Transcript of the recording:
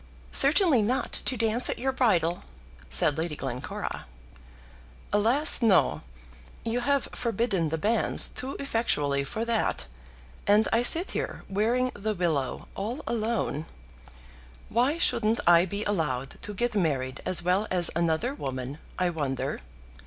"Certainly not to dance at your bridal," said Lady Glencora. "Alas! no. You have forbidden the banns too effectually for that, and I sit here wearing the willow all alone. Why shouldn't I be allowed to get married as well as another woman, I wonder?